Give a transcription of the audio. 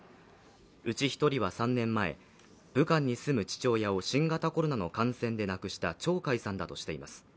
うち１人は３年前武漢に住む父親を新型コロナの感染でなくした張海さんだとしています。